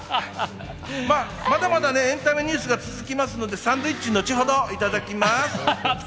まだまだエンタメニュースが続きますので、サンドイッチは後程、いただきます。